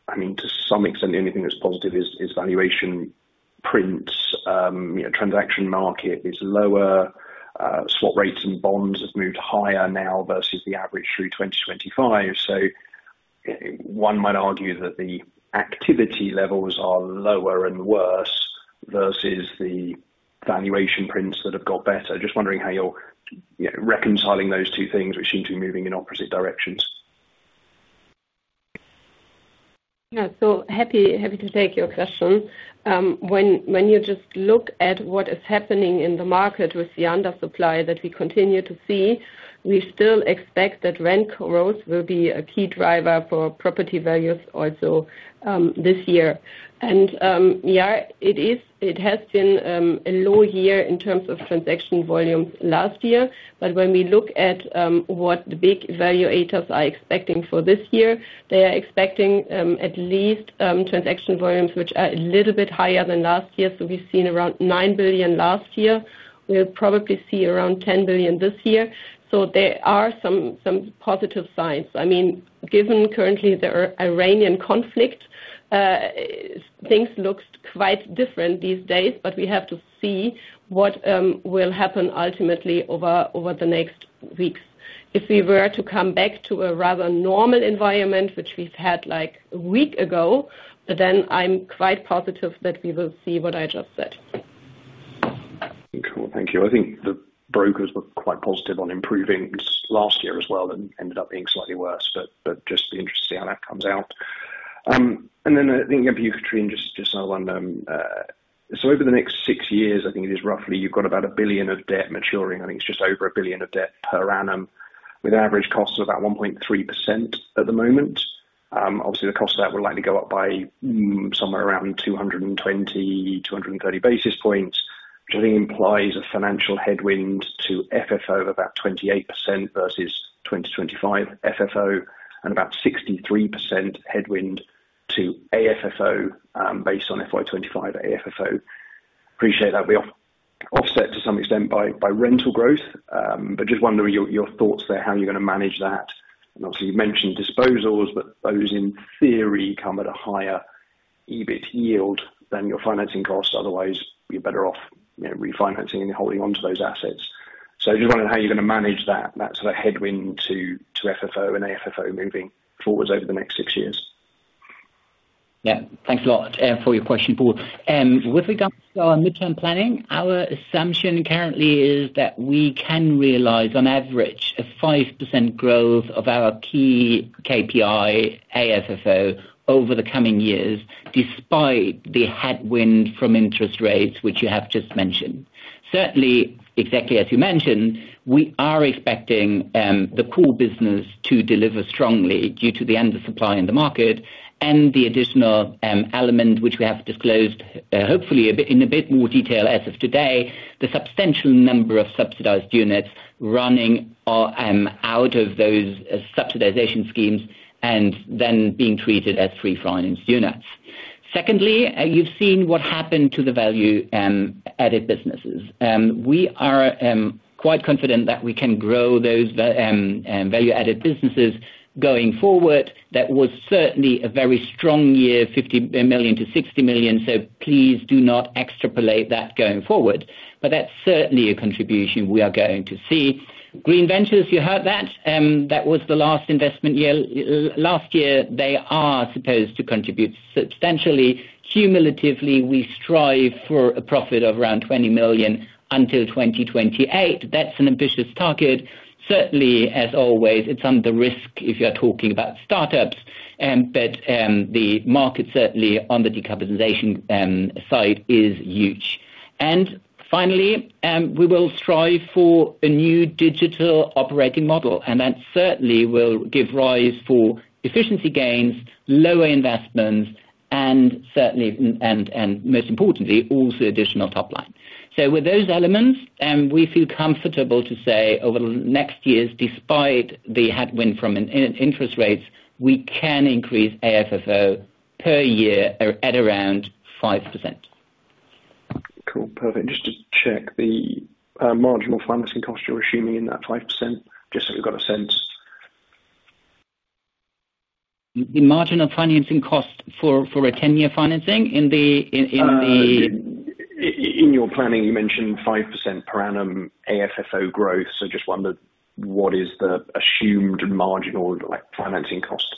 I mean, to some extent, the only thing that's positive is valuation prints. You know, transaction market is lower, swap rates and bonds have moved higher now versus the average through 2025. One might argue that the activity levels are lower and worse versus the valuation prints that have got better. Just wondering how you're, you know, reconciling those two things which seem to be moving in opposite directions. Yeah. Happy to take your question. When you just look at what is happening in the market with the under supply that we continue to see, we still expect that rent growth will be a key driver for property values also this year. Yeah, it is, it has been a low year in terms of transaction volumes last year. When we look at what the big evaluators are expecting for this year, they are expecting at least transaction volumes which are a little bit higher than last year. We've seen around 9 billion last year. We'll probably see around 10 billion this year. There are some positive signs. I mean, given currently there are Iranian conflict, things look quite different these days. We have to see what will happen ultimately over the next weeks. If we were to come back to a rather normal environment, which we've had like a week ago, then I'm quite positive that we will see what I just said. Cool. Thank you. I think the brokers were quite positive on improving last year as well, that ended up being slightly worse, but just be interested to see how that comes out. Then I think of you, Kathrin, just on over the next six years, I think it is roughly, you've got about 1 billion of debt maturing. I think it's just over 1 billion of debt per annum with average costs of about 1.3% at the moment. Obviously the cost of that will likely go up by somewhere around 220-230 basis points, which I think implies a financial headwind to FFO of about 28% versus 2025 FFO and about 63% headwind to AFFO based on FY 2025 AFFO. Appreciate that'll be offset to some extent by rental growth. Just wondering your thoughts there, how you're gonna manage that. Obviously you've mentioned disposals, but those in theory come at a higher EBIT yield than your financing costs. Otherwise you're better off, you know, refinancing and holding onto those assets. Just wondering how you're gonna manage that sort of headwind to FFO and AFFO moving forwards over the next six years. Yeah. Thanks a lot for your question, Paul. With regards to our midterm planning, our assumption currently is that we can realize on average a 5% growth of our KPI AFFO over the coming years, despite the headwind from interest rates, which you have just mentioned. Certainly, exactly as you mentioned, we are expecting the core business to deliver strongly due to the undersupply in the market and the additional element which we have disclosed, hopefully a bit, in a bit more detail as of today, the substantial number of subsidized units running out of those subsidization schemes and then being treated as free finance units. Secondly, you've seen what happened to the value added businesses. We are quite confident that we can grow those value-added businesses going forward. That was certainly a very strong year, 50 million-60 million, so please do not extrapolate that going forward. That's certainly a contribution we are going to see. Green Ventures, you heard that was the last investment year. Last year, they are supposed to contribute substantially. Cumulatively, we strive for a profit of around 20 million until 2028. That's an ambitious target. Certainly, as always, it's under the risk if you're talking about startups, but the market certainly on the decarbonization side is huge. Finally, we will strive for a new digital operating model, and that certainly will give rise for efficiency gains, lower investments, and most importantly, also additional top line. With those elements, we feel comfortable to say over the next years, despite the headwind from an interest rates, we can increase AFFO per year at around 5%. Cool. Perfect. Just to check the, marginal financing cost you're assuming in that 5%, just so we've got a sense. The marginal financing cost for a 10-year financing in the. In your planning, you mentioned 5% per annum AFFO growth. Just wondered what is the assumed marginal, like, financing cost?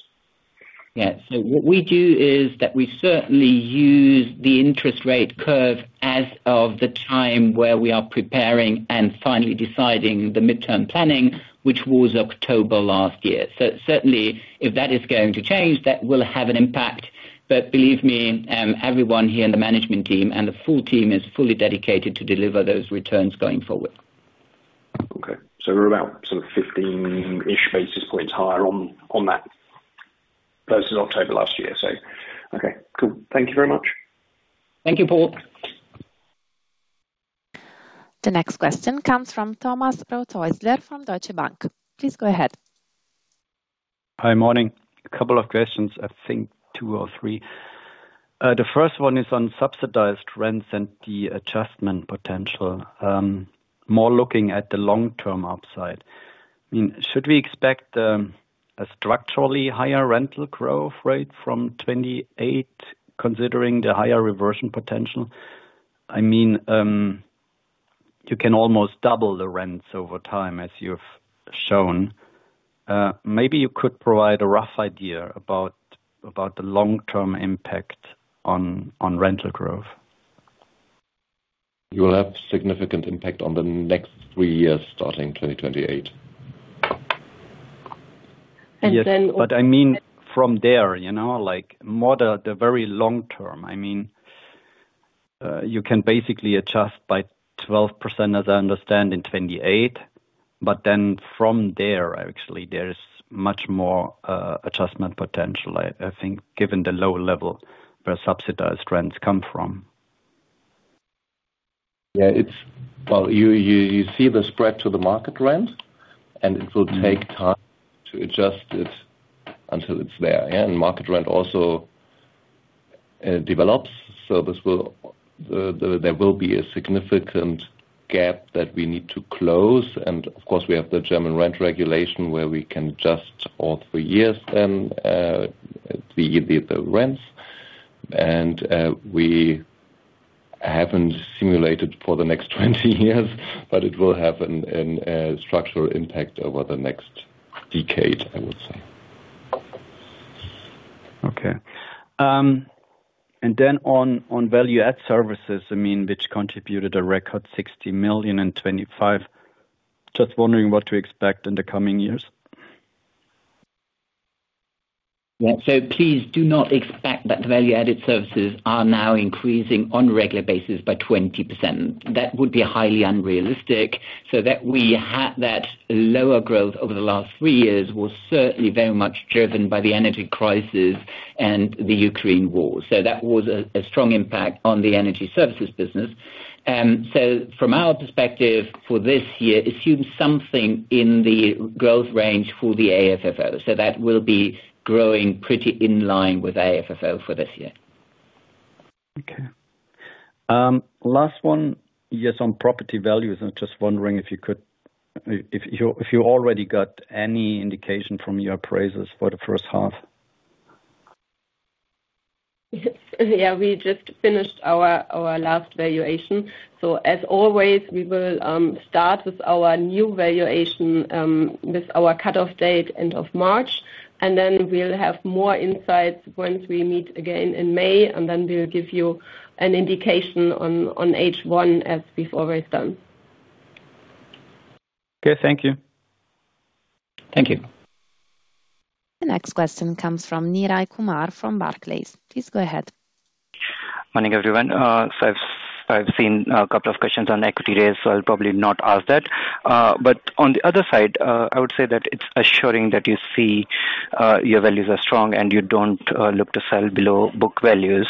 Yeah. What we do is that we certainly use the interest rate curve as of the time where we are preparing and finally deciding the midterm planning, which was October last year. Certainly if that is going to change, that will have an impact. Believe me, everyone here in the management team and the full team is fully dedicated to deliver those returns going forward. Okay. We're about sort of 15-ish basis points higher on that versus October last year. Okay, cool. Thank you very much. Thank you, Paul. The next question comes from Thomas Rothaeusler from Deutsche Bank. Please go ahead. Hi. Morning. A couple of questions, I think two or three. The first one is on subsidized rents and the adjustment potential, more looking at the long-term upside. Should we expect a structurally higher rental growth rate from 2028, considering the higher reversion potential? I mean, you can almost double the rents over time, as you've shown. Maybe you could provide a rough idea about the long-term impact on rental growth. You will have significant impact on the next three years starting 2028. Yes. I mean, from there, you know, like more the very long term. I mean, you can basically adjust by 12%, as I understand, in 28, from there, actually there is much more adjustment potential, I think, given the lower level where subsidized rents come from. Well, you see the spread to the market rent, and it will take time to adjust it until it's there. Market rent also develops, there will be a significant gap that we need to close. Of course, we have the German rent regulation where we can adjust all three years then the rents. We haven't simulated for the next 20 years, but it will have a structural impact over the next decade, I would say. Okay. On value-add services, I mean, which contributed a record 60 million in 2025, just wondering what to expect in the coming years. Please do not expect that the value-added services are now increasing on regular basis by 20%. That would be highly unrealistic. That we had that lower growth over the last three years was certainly very much driven by the energy crisis and the Ukraine War. That was a strong impact on the energy services business. From our perspective for this year, assume something in the growth range for the AFFO. That will be growing pretty in line with AFFO for this year. Okay. last one. Yes, on property values, I'm just wondering if you already got any indication from your appraisers for the first half? Yeah. We just finished our last valuation. As always, we will start with our new valuation with our cutoff date, end of March. Then we'll have more insights once we meet again in May. Then we'll give you an indication on H1 as we've always done. Okay. Thank you. Thank you. The next question comes from Neeraj Kumar from Barclays. Please go ahead. Morning, everyone. I've seen a couple of questions on equity raise, I'll probably not ask that. On the other side, I would say that it's assuring that you see your values are strong and you don't look to sell below book values.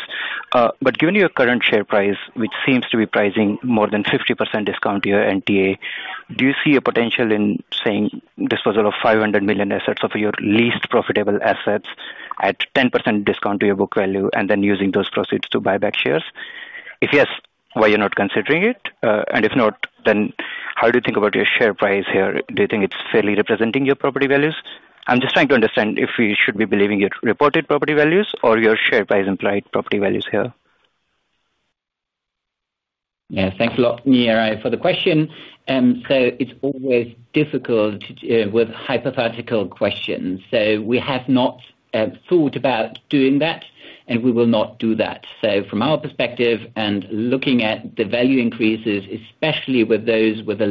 Given your current share price, which seems to be pricing more than 50% discount to your NTA, do you see a potential in saying disposal of 500 million assets of your least profitable assets at 10% discount to your book value and then using those proceeds to buy back shares? If yes, why you're not considering it? If not, then how do you think about your share price here? Do you think it's fairly representing your property values? I'm just trying to understand if we should be believing your reported property values or your share price implied property values here. Thanks a lot, Neeraj, for the question. It's always difficult with hypothetical questions. We have not thought about doing that and we will not do that. From our perspective and looking at the value increases, especially with those with the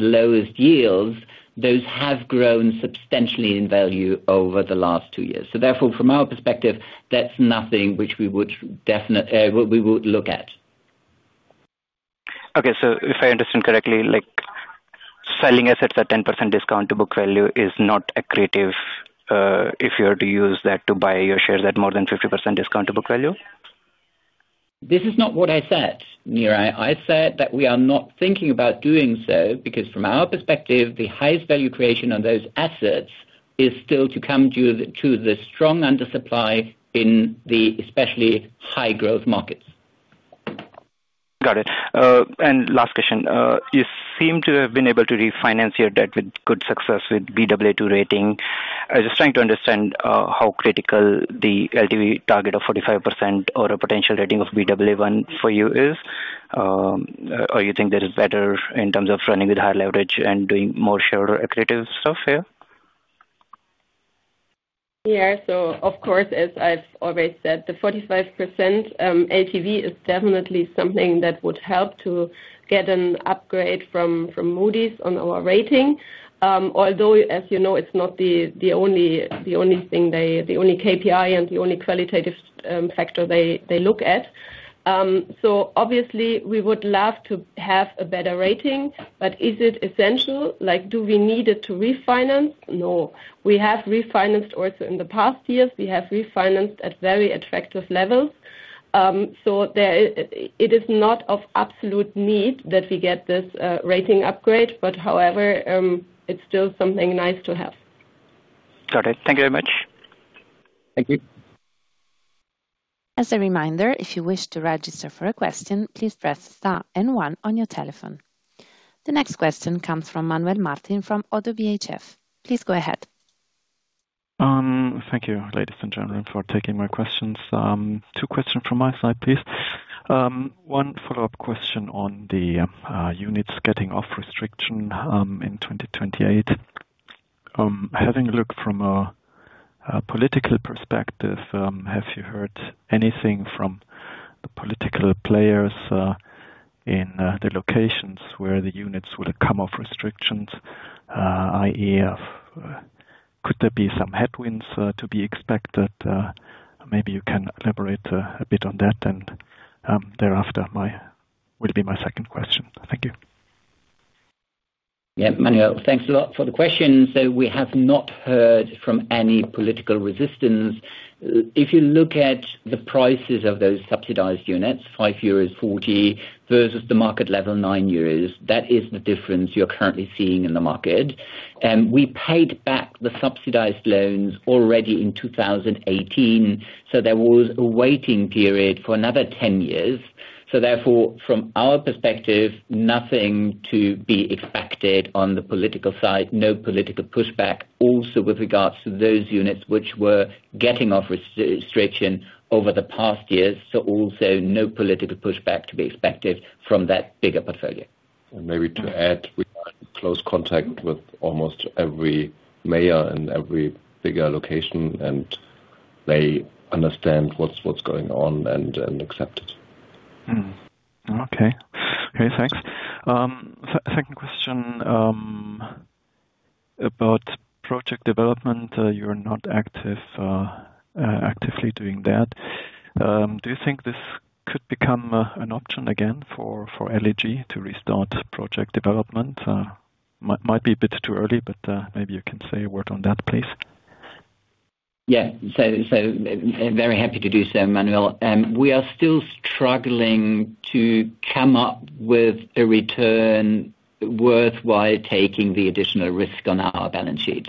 lowest yields, those have grown substantially in value over the last two years. Therefore, from our perspective, that's nothing which we would look at. If I understand correctly, like selling assets at 10% discount to book value is not accretive, if you were to use that to buy your shares at more than 50% discount to book value? This is not what I said, Neeraj. I said that we are not thinking about doing so because from our perspective, the highest value creation on those assets is still to come due to the strong undersupply in the especially high growth markets. Got it. Last question. You seem to have been able to refinance your debt with good success with Baa2 rating. I was just trying to understand, how critical the LTV target of 45% or a potential rating of Baa1 for you is. You think that is better in terms of running with higher leverage and doing more shorter accretive stuff, yeah? Of course, as I've always said, the 45% LTV is definitely something that would help to get an upgrade from Moody's on our rating. Although, as you know, it's not the only thing they, the only KPI and the only qualitative factor they look at. Obviously we would love to have a better rating, but is it essential? Like do we need it to refinance? No. We have refinanced also in the past years. We have refinanced at very attractive levels. There, it is not of absolute need that we get this rating upgrade. However, it's still something nice to have. Got it. Thank you very much. Thank you. As a reminder, if you wish to register for a question, please press star and one on your telephone. The next question comes from Manuel Martin from Oddo BHF. Please go ahead. Thank you, ladies and gentlemen, for taking my questions. Two questions from my side, please. One follow-up question on the units getting off restriction in 2028. Having a look from a political perspective, have you heard anything from the political players in the locations where the units will come off restrictions? I.e., could there be some headwinds to be expected? Maybe you can elaborate a bit on that and thereafter my second question. Thank you. Yeah. Manuel, thanks a lot for the question. We have not heard from any political resistance. If you look at the prices of those subsidized units, 5.40 euros versus the market level 9 euros, that is the difference you're currently seeing in the market. We paid back the subsidized loans already in 2018. There was a waiting period for another 10 years. Therefore, from our perspective, nothing to be expected on the political side, no political pushback. Also with regards to those units which were getting off restriction over the past years. Also no political pushback to be expected from that bigger portfolio. Maybe to add, we are in close contact with almost every mayor in every bigger location, they understand what's going on and accept it. Okay. Okay, thanks. second question, about project development. You're not active, actively doing that. Do you think this could become an option again for LEG to restart project development? Might be a bit too early, but maybe you can say a word on that, please. Very happy to do so, Manuel. We are still struggling to come up with a return worthwhile taking the additional risk on our balance sheet.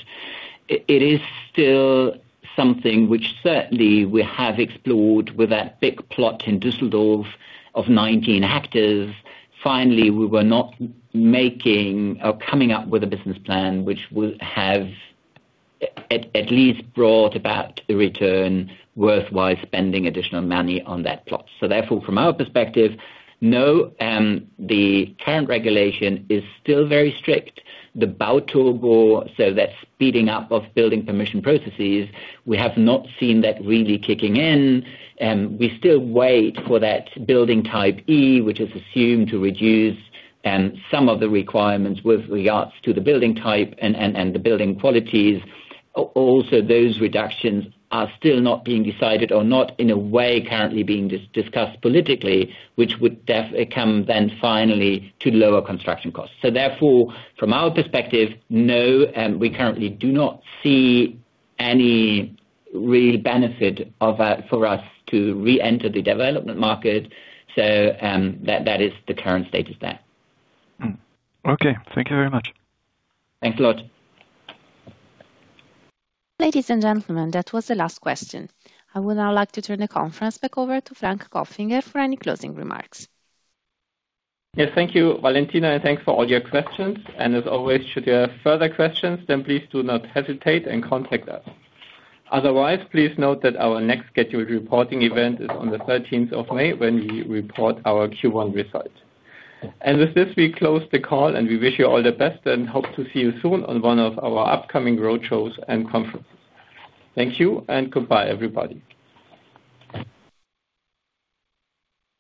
It is still something which certainly we have explored with that big plot in Düsseldorf of 19 hectares. Finally, we were not making or coming up with a business plan which would have at least brought about a return worthwhile spending additional money on that plot. Therefore, from our perspective, no, the current regulation is still very strict. The Bau-Turbo, so that speeding up of building permission processes, we have not seen that really kicking in. We still wait for that Building type E, which is assumed to reduce some of the requirements with regards to the building type and the building qualities. Also, those reductions are still not being decided or not in a way currently being discussed politically, which would come then finally to lower construction costs. Therefore, from our perspective, no, we currently do not see any real benefit of for us to reenter the development market. That is the current status there. Okay. Thank you very much. Thanks a lot. Ladies and gentlemen, that was the last question. I would now like to turn the conference back over to Frank Kopfinger for any closing remarks. Yes. Thank you, Valentina, thanks for all your questions. As always, should you have further questions, then please do not hesitate and contact us. Otherwise, please note that our next scheduled reporting event is on the May 13th when we report our Q1 results. With this, we close the call, and we wish you all the best and hope to see you soon on one of our upcoming road shows and conferences. Thank you and goodbye everybody.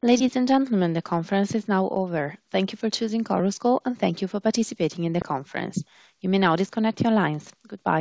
Ladies and gentlemen, the conference is now over. Thank you for choosing Chorus Call, and thank you for participating in the conference. You may now disconnect your lines. Goodbye.